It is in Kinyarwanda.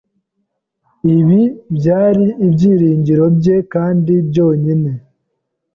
Ibi byari ibyiringiro bye kandi byonyine.